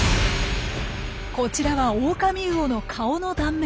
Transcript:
こちらはオオカミウオの顔の断面。